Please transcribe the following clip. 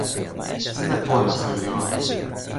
sina pona, soweli o.